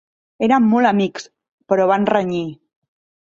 Eren molt amics, però van renyir.